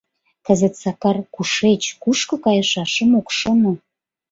Кызыт Сакар кушеч, кушко кайышашым ок шоно.